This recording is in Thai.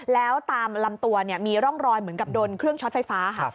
แล้วตามลำตัวมีร่องรอยเหมือนกับโดนเครื่องช็อตไฟฟ้าค่ะ